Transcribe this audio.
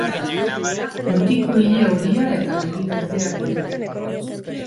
Mutiko ile horia eta begi berdeak ditu.